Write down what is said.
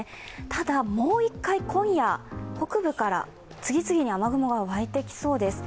ただ、もう１回、今夜、北部から次々に雨雲が湧いてきそうです。